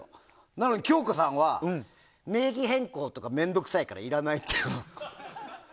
なのに恭子さんは名義変更とか面倒くさいからいらないって。